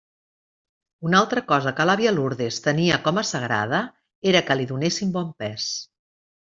Una altra cosa que l'àvia Lourdes tenia com a sagrada era que li donessin bon pes.